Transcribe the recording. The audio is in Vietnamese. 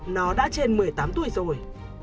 nó đã trên một mươi tám tuổi rồi